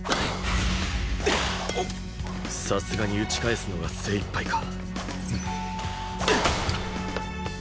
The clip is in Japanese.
さすがに打ち返すのが精いっぱいか。